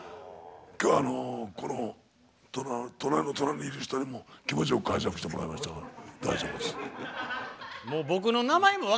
今日はこの隣の隣にいる人にも気持ちよく介錯してもらえましたから大丈夫です。